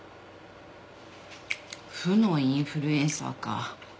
負のインフルエンサーか。